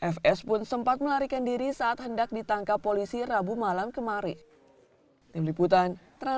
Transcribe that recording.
fs pun sempat melarikan diri saat hendak ditangkap polisi rabu malam kemarin